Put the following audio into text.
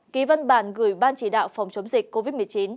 ký văn bản gửi ban chỉ đạo phòng chống dịch covid một mươi chín